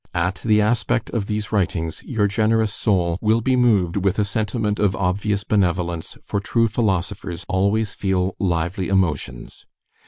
At the aspect of these writings your generous soul will be moved with a sentiment of obvious benevolence, for true philosophers always feel lively emotions.